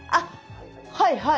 はいはい